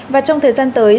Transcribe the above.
và trong thời gian tới